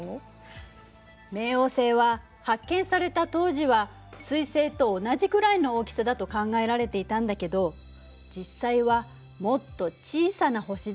冥王星は発見された当時は水星と同じくらいの大きさだと考えられていたんだけど実際はもっと小さな星だということが分かったの。